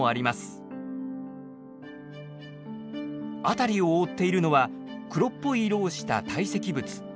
辺りを覆っているのは黒っぽい色をした堆積物。